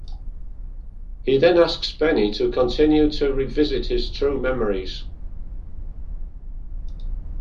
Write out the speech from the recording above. He then asks Benny to continue to revisit his true memories.